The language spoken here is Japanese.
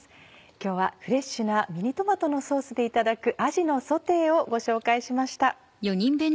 今日はフレッシュなミニトマトのソースでいただくあじのソテーをご紹介しました。